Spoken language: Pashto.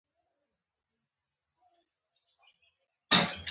خو د ګراکچوس په وژنې سره انګېزه مړه نه شوه